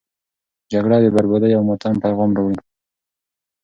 جګړه د بربادي او ماتم پیغام راوړي.